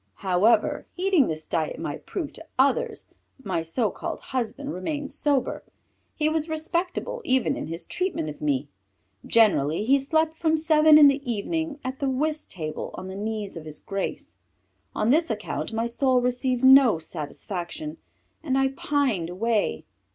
However heating this diet might prove to others my so called husband remained sober. He was respectable even in his treatment of me. Generally he slept from seven in the evening at the whist table on the knees of his Grace. On this account my soul received no satisfaction and I pined away.